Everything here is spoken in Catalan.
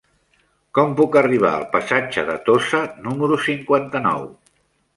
Com puc arribar al passatge de Tossa número cinquanta-nou?